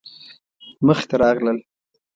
مخې ته راغلل.